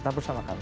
tetap bersama kami